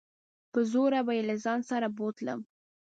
په زوره به يې له ځان سره بوتلم.